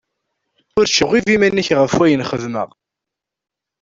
Ur ttceɣɣib iman-ik ɣef ayen xedmeɣ.